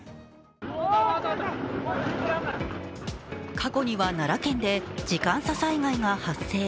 過去には奈良県で時間差災害が発生。